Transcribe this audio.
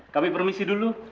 kami permisi dulu